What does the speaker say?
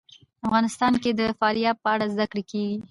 افغانستان کې د فاریاب په اړه زده کړه کېږي.